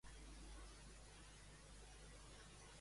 En la seva època de màxima esplendor, què foren?